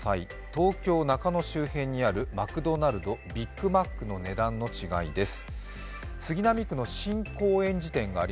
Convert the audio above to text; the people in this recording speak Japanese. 東京・中野周辺にあるマクドナルドビッグマックの値段の違いです。